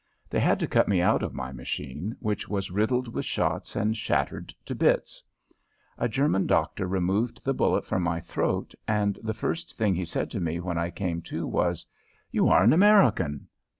They had to cut me out of my machine, which was riddled with shots and shattered to bits. A German doctor removed the bullet from my throat, and the first thing he said to me when I came to was, "You are an American!"